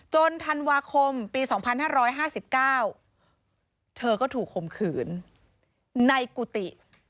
ธันวาคมปี๒๕๕๙เธอก็ถูกข่มขืนในกุฏิ